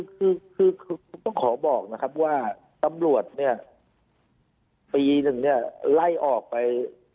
คือต้องขอบอกนะครับว่าตำรวจเนี่ยปีหนึ่งเนี่ยไล่ออกไป